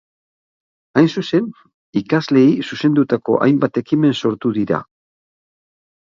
Hain zuzen, ikasleei zuzendutako hainbat ekimen sortu dira.